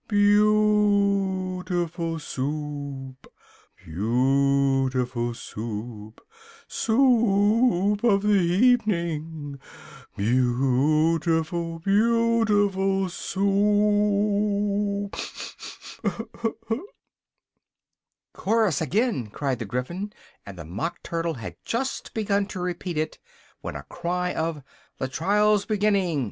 Beau ootiful Soo oop! Beau ootiful Soo oop! Soo oop of the e e evening, Beautiful beautiful Soup! "Chorus again!" cried the Gryphon, and the Mock Turtle had just begun to repeat it, when a cry of "the trial's beginning!"